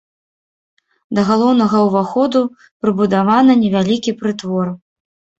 Да галоўнага ўваходу прыбудаваны невялікі прытвор.